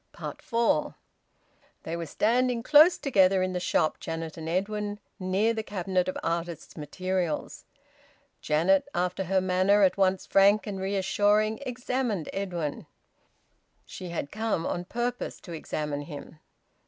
FOUR. They were standing close together in the shop, Janet and Edwin, near the cabinet of artists' materials. Janet, after her manner at once frank and reassuring, examined Edwin; she had come on purpose to examine him.